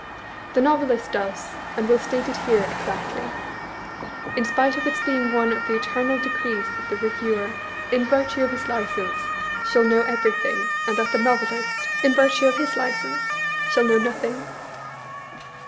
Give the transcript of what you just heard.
The Novelist does, and will state it here, exactly; in spite of its being one of the eternal decrees that the Reviewer, in virtue of his license, shall know everythiag, and that the Novelist, in virtue of his license, shall know nothing.